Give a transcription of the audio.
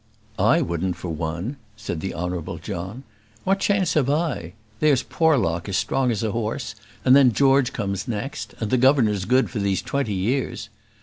"I wouldn't for one," said the Honourable John. "What chance have I? There's Porlock as strong as a horse; and then George comes next. And the governor's good for these twenty years."